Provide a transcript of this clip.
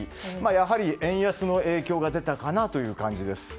やはり円安の影響が出たかなという感じです。